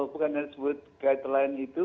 bukan disebut guidelines itu